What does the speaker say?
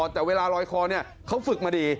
แต่เวลารอยคอเนี่ยเขาฝึกมาดี